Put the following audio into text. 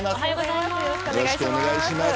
よろしくお願いします。